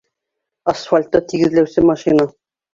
Асфальтты тигеҙләүсе машина.